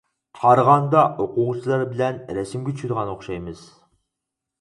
قارىغاندا ئوقۇغۇچىلار بىلەن رەسىمگە چۈشىدىغان ئوخشايمىز.